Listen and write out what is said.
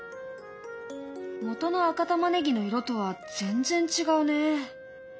元の赤タマネギの色とは全然違うね。